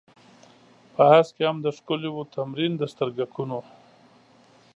په هسک کې هم د ښکليو و تمرين د سترگکونو.